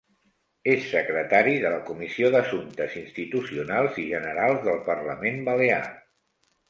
És secretari de la Comissió d'Assumptes Institucionals i Generals del Parlament Balear.